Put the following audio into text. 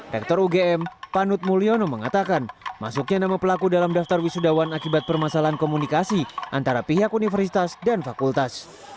rektor ugm panut mulyono mengatakan masuknya nama pelaku dalam daftar wisudawan akibat permasalahan komunikasi antara pihak universitas dan fakultas